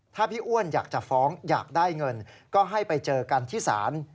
ถ้าพี่อ้วนอยากจะฟ้องอยากได้เงินก็ให้ไปเจอกันที่ศาล